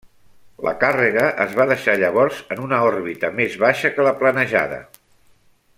La càrrega es va deixar llavors en una òrbita més baixa que la planejada.